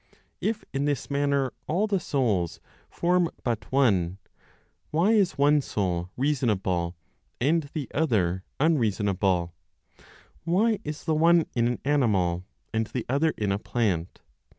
If in this manner all the souls form but one, why is one soul reasonable, and the other unreasonable, why is the one in an animal, and the other in a plant?